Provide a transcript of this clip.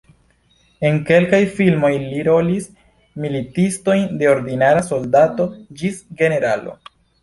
En kelkaj filmoj li rolis militistojn de ordinara soldato ĝis generalo.